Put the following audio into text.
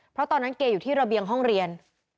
เพราะตอนนั้นเกอยู่ที่ระเบียงห้องเรียน